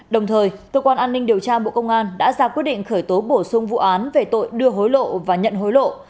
đồng thời cơ quan an ninh điều tra bộ công an đã ra quyết định khởi tố bổ sung vụ án về tội đưa hối lộ và nhận hối lộ